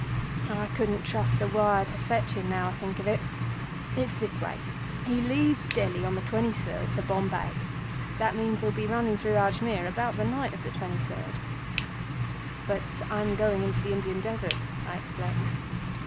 "I couldn't trust the wire to fetch him now I think of it. It's this way. He leaves Delhi on the 23d for Bombay. That means he'll be running through Ajmir about the night of the 23d." "But I'm going into the Indian Desert," I explained.